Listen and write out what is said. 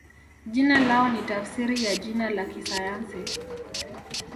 Jina lao ni tafsiri ya jina la kisayansi.